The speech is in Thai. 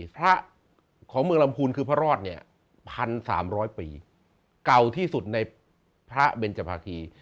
พระของเมืองลำพูนคือพระรอดเนี่ย๑๓๐๐ปีเก่าที่สุดในพระเบนจภาคี